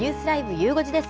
ゆう５時です。